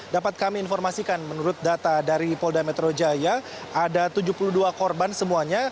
dapat kami informasikan menurut data dari polda metro jaya ada tujuh puluh dua korban semuanya